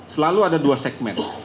selalu ada dua segmen